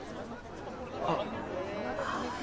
あっ。